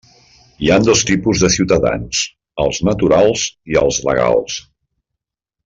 Hi ha dos tipus de ciutadans: els naturals i els legals.